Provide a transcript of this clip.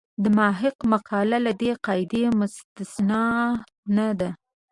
د محق مقاله له دې قاعدې مستثنا نه ده.